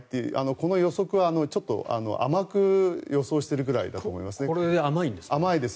この予測はちょっと甘く予想しているぐらいだと思います。